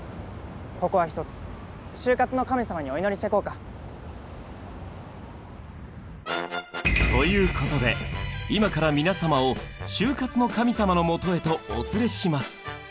ここは一つシュウカツの神様にお祈りしていこうか。ということで今から皆様をシュウカツの神様のもとへとお連れします。